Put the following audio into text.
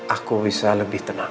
aku bisa lebih tenang